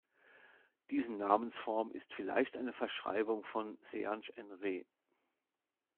Diese Namensform ist vielleicht eine Verschreibung von Seanch-en-Re.